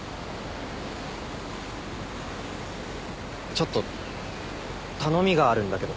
ちょっと頼みがあるんだけど。